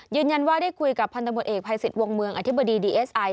ยืนยันว่าได้คุยกับพันธบทเอกภัยสิทธิ์วงเมืองอธิบดีดีเอสไอ